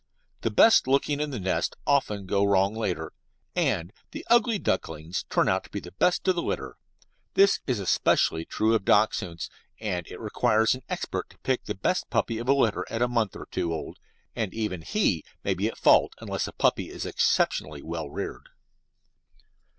The best looking in the nest often go wrong later, and the ugly duckling turns out the best of the litter. This is especially true of Dachshunds, and it requires an expert to pick the best puppy of a litter at a month or two old, and even he may be at fault unless the puppy is exceptionally well reared.